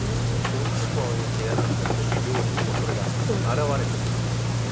そうするとああいう部屋だったりこういう料理にもそれが表れてくるっていうね